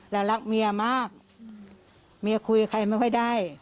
รักเมียมากเมียคุยกับใครไม่ค่อยได้